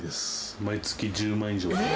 毎月１０万以上。